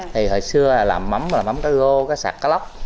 thì hồi xưa là làm mắm làm mắm cá gô cá sạc cá lóc